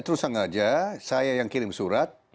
terus sengaja saya yang kirim surat